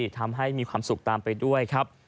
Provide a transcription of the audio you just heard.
ทำให้มีความสุขตามไปด้วยครับ